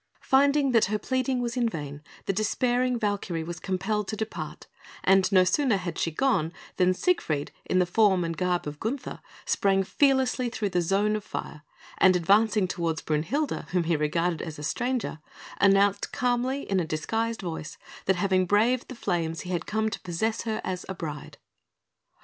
Finding that her pleading was in vain, the despairing Valkyrie was compelled to depart; and no sooner had she gone, than Siegfried, in the form and garb of Gunther, sprang fearlessly through the zone of fire, and advancing towards Brünhilde, whom he regarded as a stranger, announced calmly, in a disguised voice, that having braved the flames he had come to possess her as a bride.